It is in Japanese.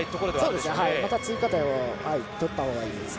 また追加点を取ったほうがいいです。